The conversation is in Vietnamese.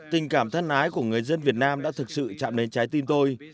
tình cảm thân ái của người dân việt nam đã thực sự chạm đến trái tim tôi